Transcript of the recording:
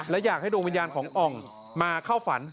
และอยากให้ดวงวิญญาณของอ่องมาเข้าฝัน